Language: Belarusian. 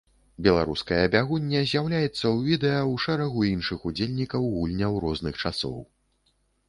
Беларуская бягуння з'яўляецца ў відэа ў шэрагу іншых удзельнікаў гульняў розных часоў.